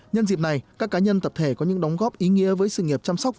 nhân dịp này các cá nhân tập thể có những đóng góp ý nghĩa với sự nghiệp chăm sóc